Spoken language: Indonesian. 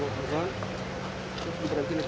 lalu saya berhenti